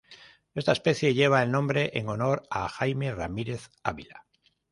Esta especie lleva el nombre en honor a Jaime Ramírez Avila.